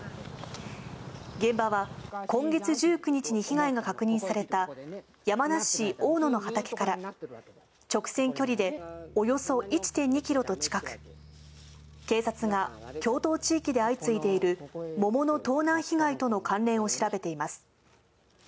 現場は今月１９日に被害が確認された、山梨市おおのの畑から、直線距離でおよそ１．２キロと近く、警察が共同地域で相次いでいる桃の盗難被害との関連を調べています。